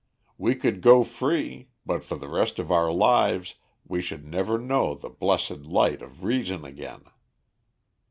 We could go free, but for the rest of our lives we should never know the blessed light of reason again.